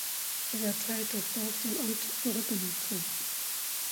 Dieser teilte das Dorf dem Amt Brüggen zu.